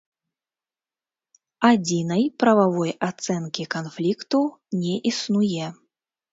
Адзінай прававой ацэнкі канфлікту не існуе.